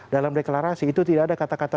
dalam deklarasi itu tidak ada kata kata